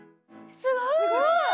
すごい！